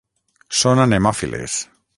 Són anemòfiles.